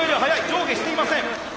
上下していません。